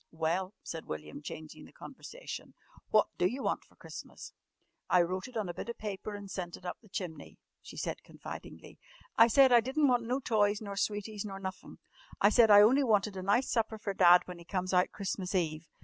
"Well," said William changing the conversation, "what d'you want for Christmas?" "I wrote it on a bit of paper an' sent it up the chimney," she said confidingly. "I said I di'n't want no toys nor sweeties nor nuffin'. I said I only wanted a nice supper for Dad when he comes out Christmas Eve.